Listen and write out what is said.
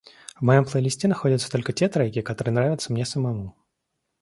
В моём плейлисте находятся только те треки, которые нравятся мне самому.